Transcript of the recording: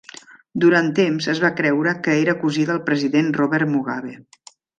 Durant temps es va creure que era cosí del president Robert Mugabe.